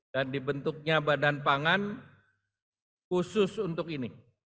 dan dibentuknya badan pangan khusus untuk ini